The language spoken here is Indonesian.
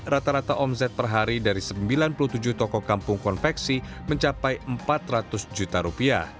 rata rata omset per hari dari sembilan puluh tujuh toko kampung konveksi mencapai rp empat ratus juta